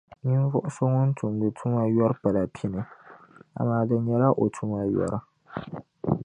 Ninvuɣ’ so ŋun tumdi tuma yɔri pala pini, amaa di nyɛla o tuma yɔri.